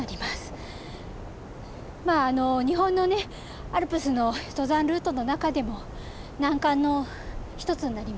日本のねアルプスの登山ルートの中でも難関の一つになりますね。